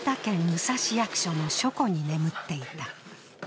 宇佐市役所の書庫に眠っていた。